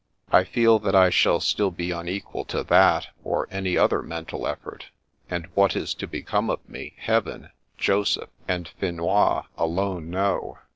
I feel that I shall still be unequal to that, or any other mental effort, and what is to become of me. Heaven, Joseph, and Finois alone know."